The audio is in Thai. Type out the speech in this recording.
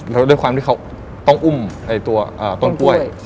แล้วด้วยความที่เขาต้องอุ้มตัวต้นกล้วย